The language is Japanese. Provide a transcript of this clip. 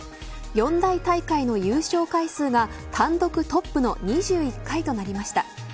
四大大会の優勝回数が単独トップの２１回となりました。